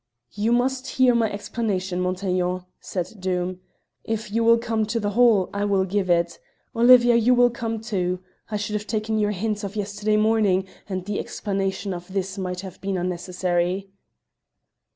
"You must hear my explanation, Montaiglon," said Doom. "If you will come to the hall, I will give it. Olivia, you will come too. I should have taken your hints of yesterday morning, and the explanation of this might have been unnecessary."